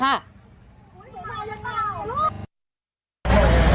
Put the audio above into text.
เพราะอย่างต่ำ